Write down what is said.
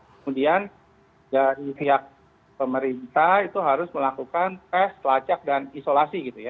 kemudian dari pihak pemerintah itu harus melakukan tes pelacak dan isolasi gitu ya